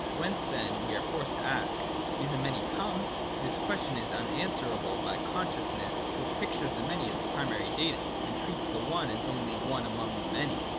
Whence, then, we are forced to ask, do the Many come? This question is un answerable by the consciousness which pictures the Many as a primary datum, and treats the One as only one among the Many.